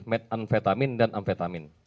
medanfetamin dan amfetamin